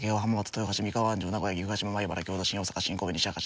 豊橋三河安城名古屋岐阜羽島米原京都新大阪新神戸西明石